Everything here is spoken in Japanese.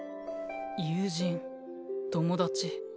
友人友達。